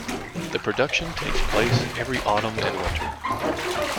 The production takes place every autumn and winter.